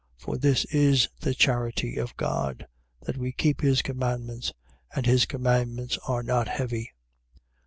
5:3. For this is the charity of God: That we keep his commandments. And his commandments are not heavy.